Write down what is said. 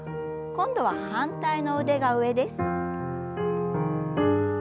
今度は反対の腕が上です。